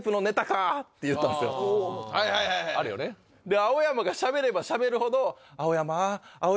青山がしゃべればしゃべるほど。